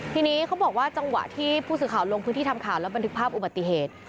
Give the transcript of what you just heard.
ทีนี้เขาบอกว่าจังหวะที่ผู้สื่อข่าวลงพื้นที่ทำข่าวแล้วบันทึกภาพอุบัติเหตุ